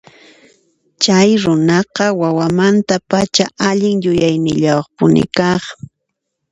Chay runaqa wawamantapacha allin yuyaynillayuqpuni kaq.